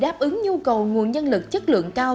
đáp ứng nhu cầu nguồn nhân lực chất lượng cao